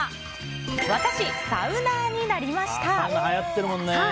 私、サウナーになりました。